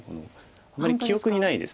あまり記憶にないです